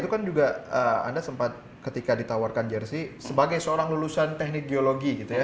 tapi kan juga anda sempat ketika ditawarkan jersey sebagai seorang lulusan teknik geologi